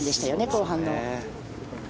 後半の。